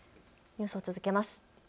ニュースを続けます。